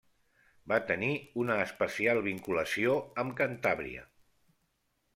Va tenir una especial vinculació amb Cantàbria.